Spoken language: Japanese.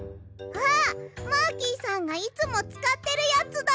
あっマーキーさんがいつもつかってるやつだ！